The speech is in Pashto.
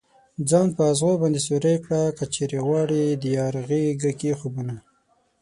ځان په ازغو باندې سوری كړه كه چېرې غواړې ديار غېږه كې خوبونه